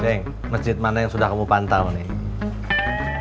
deng masjid mana yang sudah kamu pantau nih